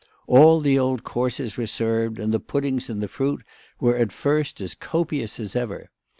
All the old courses were served, and the puddings and the fruit were at first as copious as ever.